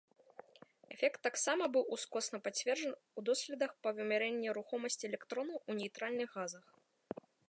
Эфект таксама быў ускосна пацверджан у доследах па вымярэнні рухомасці электронаў у нейтральных газах.